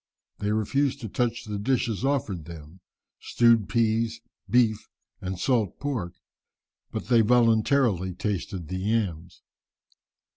They refused to touch the dishes offered them, stewed peas, beef, and salt pork, but they voluntarily tasted the yams.